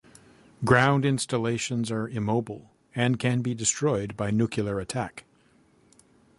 Ground installations are immobile, and can be destroyed by nuclear attack.